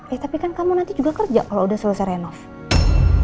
ya tapi kan kamu nanti juga kerja kalau sudah selesai renov